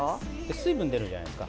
水分出るじゃないですか。